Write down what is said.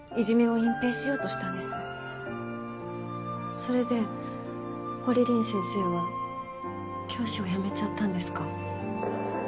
それで堀凛先生は教師を辞めちゃったんですか？